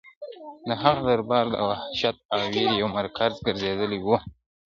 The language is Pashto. د هغه دربار د وحشت او وېرې یو مرکز ګرځېدلی و.